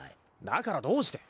だからどうして。